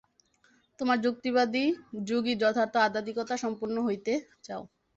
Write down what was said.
তোমরা যুক্তিবাদী, যোগী, যথার্থ আধ্যাত্মিকতা-সম্পন্ন হইতে চাও।